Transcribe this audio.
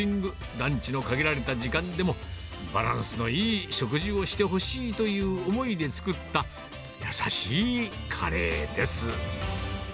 ランチの限られた時間でも、バランスのいい食事をしてほしいという思いで作った、優しいカレーです。